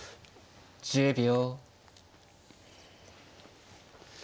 １０秒。